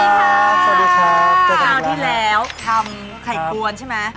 คราวที่แล้วทำไข่กวนใช่ไหม